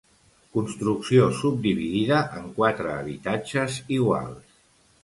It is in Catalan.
Construcció subdividida en quatre habitatges iguals.